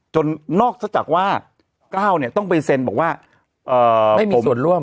นอกจากว่าก้าวเนี่ยต้องไปเซ็นบอกว่าไม่มีส่วนร่วม